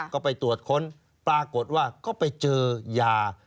ก็ไปตรวจค้นปรากฏว่าก็ไปเจอยา